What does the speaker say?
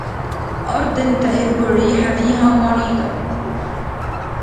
وأرض تهب الريح فيها مريضة